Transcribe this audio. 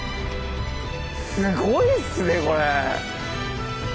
すごいですねこれ！